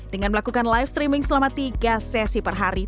dengan melakukan live streaming selama tiga sesi per hari